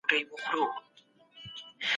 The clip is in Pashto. خپل حقوق په سمه توګه وپيژنئ.